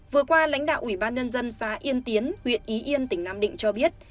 vừa qua lãnh đạo ủy ban nhân dân xã yên tiến huyện ý yên tỉnh nam định cho biết